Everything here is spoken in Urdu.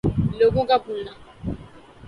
لوگوں کا بھولنا